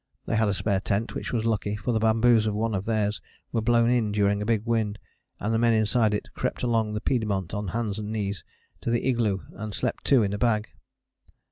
They had a spare tent, which was lucky, for the bamboos of one of theirs were blown in during a big wind, and the men inside it crept along the piedmont on hands and knees to the igloo and slept two in a bag.